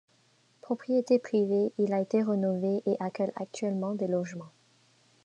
Propriété privée, il a été rénové et accueille actuellement des logements.